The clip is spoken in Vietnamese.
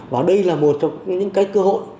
và đây là một trong những cơ hội